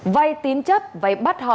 vây tín chấp vây bắt